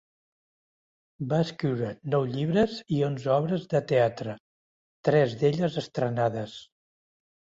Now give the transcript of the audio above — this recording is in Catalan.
Va escriure nou llibres i onze obres de teatre, tres d'elles estrenades.